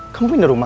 kamu pindah rumah